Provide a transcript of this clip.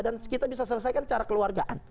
dan kita bisa selesaikan secara keluarga